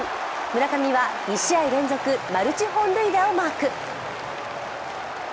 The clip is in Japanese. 村上は２試合連続マルチ本塁打をマーク。